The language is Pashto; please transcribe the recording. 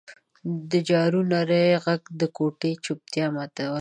د جارو نري غږ د کوټې چوپتیا ماتوله.